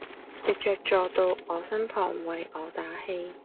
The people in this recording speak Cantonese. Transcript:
藉著坐到我身旁為我打氣